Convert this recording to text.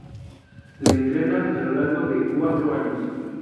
Le entrena a lo largo de cuatro años.